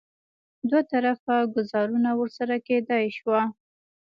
دوه طرفه ګوزاره ورسره کېدای شوه.